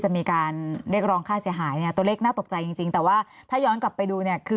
จะมีการเรียกร้องค่าเสียหายเนี่ยตัวเลขน่าตกใจจริงจริงแต่ว่าถ้าย้อนกลับไปดูเนี่ยคือ